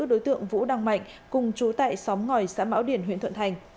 đối tượng vũ đăng mạnh cùng chú tại xóm ngòi xã mão điền huyện thuận thành